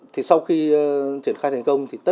thì sau khi triển khai thành công với samsung pay